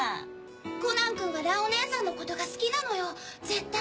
コナンくんは蘭おねえさんのことが好きなのよ絶対！